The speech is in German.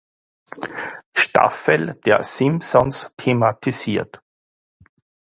Staffel der Simpsons thematisiert.